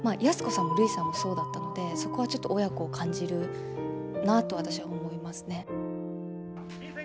安子さんもるいさんもそうだったのでそこはちょっと親子を感じるなと私は思いますね。